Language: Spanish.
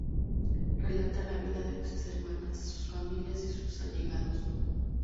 Relata la vida de tres hermanas, sus familias y sus allegados.